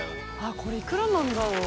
△これいくらなんだろう？辻）